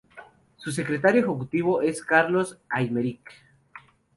Su secretario ejecutivo es Carlos Aymerich.